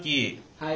はい。